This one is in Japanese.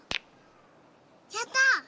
やった！